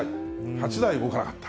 ８台動かなかった。